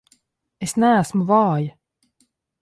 Es neesmu vāja!